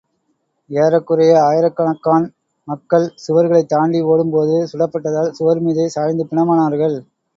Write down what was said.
ஏறக்குறைய ஆயிரக்கணக்கான் மக்கள், சுவர்களைத் தாண்டி ஓடும் போது சுடப்பட்டதால் சுவர் மீதே சாய்ந்து பிணமானார்கள்.